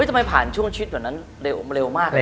ทำไมผ่านช่วงชีวิตเหมือนนั้นเร็วมาก